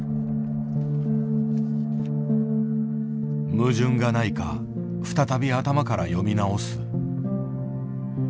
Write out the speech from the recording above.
矛盾がないか再び頭から読み直す。